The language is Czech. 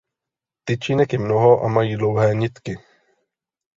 Tyčinek je mnoho a mají dlouhé nitky.